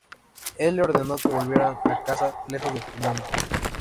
Él le ordenó que volviera a casa, lejos del tumulto.